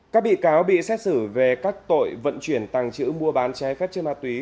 các bị cáo bị xét xử về các tội vận chuyển tàng chữ mua bán trái phép trên ma túy